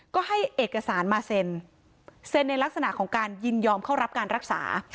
ก็ให้เอกสารมาเซ็นเซ็นในลักษณะของการยินยอมเข้ารับการรักษา